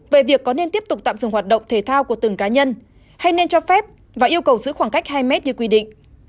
về việc có nên tiếp tục tạm dừng hoạt động thể thao của từng cá nhân hay nên cho phép và yêu cầu giữ khoảng cách hai mét như quy định